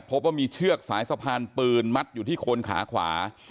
พบว่ามีเชือกสายสะพานปืนมัดอยู่ที่คนขาขวา